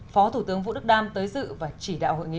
phó thủ tướng vũ đức đam tới dự và chỉ đạo hội nghị